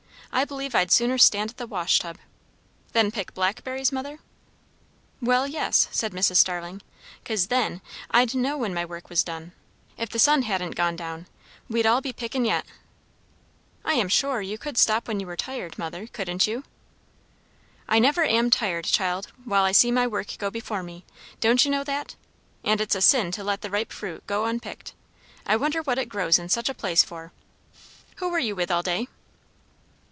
I believe I'd sooner stand at the wash tub." "Than pick blackberries, mother?" "Well, yes," said Mrs. Starling; "'cause then I'd know when my work was done. If the sun hadn't gone down, we'd all be pickin' yet." "I am sure, you could stop when you were tired, mother; couldn't you?" "I never am tired, child, while I see my work before me; don't you know that? And it's a sin to let the ripe fruit go unpicked. I wonder what it grows in such a place for! Who were you with all day?"